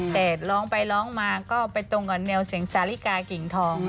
แต่ร้องไปร้องมาก็ไปตรมีแนวเสียงแสลกากิ่งทองค่ะ